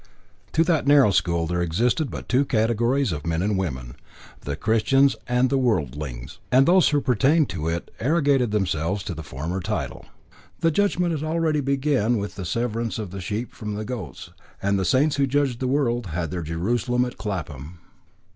To that narrow school there existed but two categories of men and women, the Christians and the Worldlings, and those who pertained to it arrogated to themselves the former title. The Judgment had already begun with the severance of the sheep from the goats, and the saints who judged the world had their Jerusalem at Clapham.